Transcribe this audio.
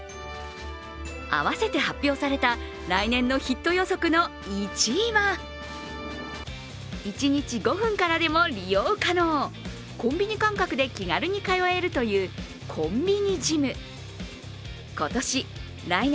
併せて発表された来年のヒット予測の１位は、一日５分からでも利用可能、コンビニ感覚で気軽に通えるというコンビニジム。